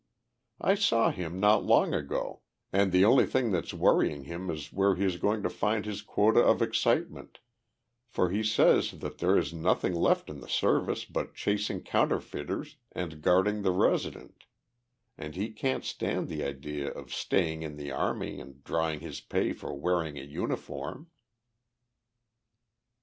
I saw him not long ago and the only thing that's worrying him is where he is going to find his quota of excitement, for he says that there is nothing left in the Service but chasing counterfeiters and guarding the resident, and he can't stand the idea of staying in the army and drawing his pay for wearing a uniform."